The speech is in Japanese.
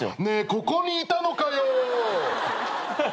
ねえここにいたのかよ！